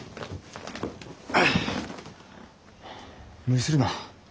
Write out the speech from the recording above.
無理するな。